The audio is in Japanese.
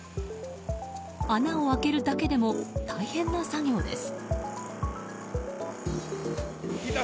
穴を開けるだけでも大変な作業です。